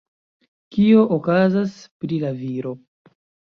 Kio okazas pri la viro?